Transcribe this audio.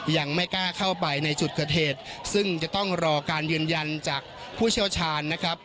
ยังไม่กล้าเข้าไปในจุดเกิดเหตุซึ่งจะต้องรอการยืนยันจากผู้เชี่ยวชาญนะครับ